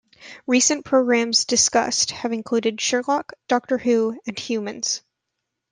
Recent programmes discussed have included "Sherlock", "Doctor Who" and "Humans".